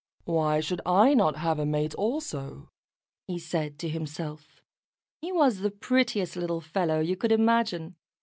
"Why should I not have a mate also?" he said to himself. He was the prettiest little fellow you could imagine.